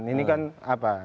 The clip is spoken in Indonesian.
ini kan apa